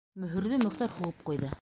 Мөһөрҙө Мөхтәр һуғып ҡуйҙы: